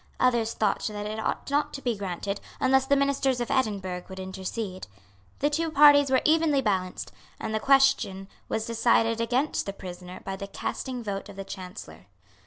Others thought that it ought not to be granted unless the ministers of Edinburgh would intercede. The two parties were evenly balanced; and the question was decided against the prisoner by the casting vote of the Chancellor.